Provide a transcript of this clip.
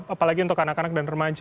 apalagi untuk anak anak dan remaja